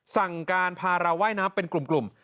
สั่งการพาเราว่ายน้ำเป็นกลุ่ม